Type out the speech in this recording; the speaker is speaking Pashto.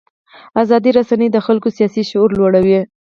ازادې رسنۍ د خلکو سیاسي شعور لوړوي.